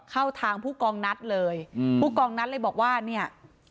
เข้าทางผู้กองนัดเลยอืมผู้กองนัดเลยบอกว่าเนี่ย